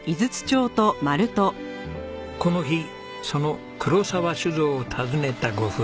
この日その黒澤酒造を訪ねたご夫婦。